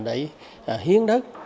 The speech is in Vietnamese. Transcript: để hiến đất